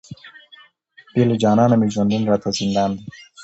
بې له جانانه مي ژوندون راته زندان دی،